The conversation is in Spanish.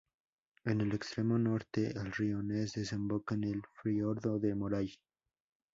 En el extremo norte, el río Ness desemboca en el fiordo de Moray.